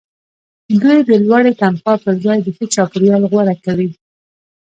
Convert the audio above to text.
دوی د لوړې تنخوا پرځای د ښه چاپیریال غوره کوي